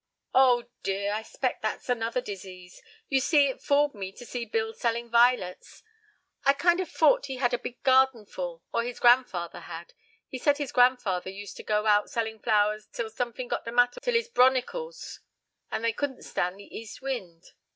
"Oh, dear, I s'pect that's another disease. You see it fooled me to see Bill selling vi'lets. I kind of fought he had a big garden full, or his grandfather had. He said his grandfather used to go out selling flowers till sumfing got the matter with his bronicles, and they couldn't stand the east wind."